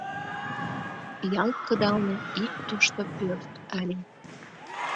Ял кыдалне ик тошто пӧрт ыле.